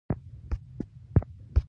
که خدای مه کړه هغه حرکت وکړي.